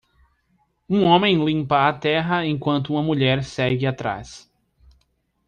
Um homem limpa a terra enquanto uma mulher segue atrás.